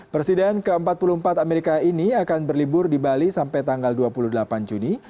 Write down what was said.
presiden ke empat puluh empat amerika ini akan berlibur di bali sampai tanggal dua puluh delapan juni